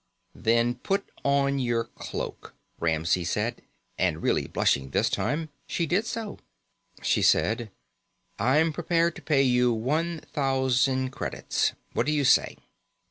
"Then put on your cloak," Ramsey said, and, really blushing this time, she did so. She said: "I'm prepared to pay you one thousand credits; what do you say?"